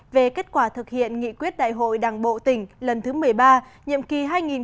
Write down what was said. về kết quả thực hiện nghị quyết đại hội đảng bộ tỉnh lần thứ một mươi ba nhiệm kỳ hai nghìn một mươi năm hai nghìn hai mươi